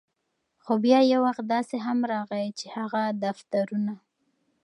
خو بیا یو وخت داسې هم راغے، چې هغه دفترونه